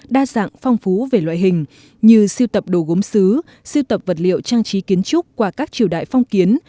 đa dạng phong phú về loại hình như siêu tập đồ gốm xứ siêu tập vật liệu trang trí kiến trúc qua các triều đại phong kiến